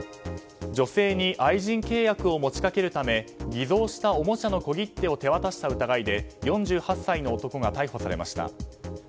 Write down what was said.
女性に愛人契約を持ち掛けるため偽造したおもちゃの小切手を手渡した疑いで４８歳の男が逮捕されました。